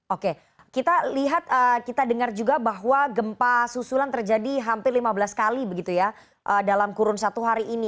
oke kita lihat kita dengar juga bahwa gempa susulan terjadi hampir lima belas kali begitu ya dalam kurun satu hari ini